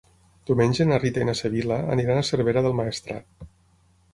Diumenge na Rita i na Sibil·la aniran a Cervera del Maestrat.